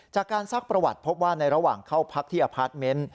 ซักประวัติพบว่าในระหว่างเข้าพักที่อพาร์ทเมนต์